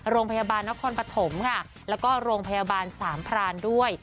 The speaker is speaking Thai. โรงพยาบาลนครปฐมค่ะแล้วก็โรงพยาบาลสามพรานด้วย